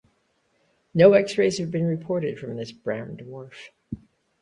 No X-rays have been reported from this brown dwarf.